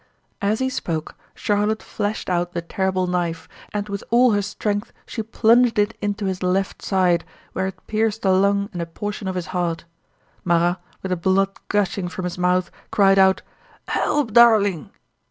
As he spoke Charlotte flashed out the terrible knife and with all her strength she plunged it into his left side, where it pierced a lung and a portion of his heart. Marat, with the blood gushing from his mouth, cried out: "Help, darling!"